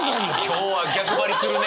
今日は逆張りするね！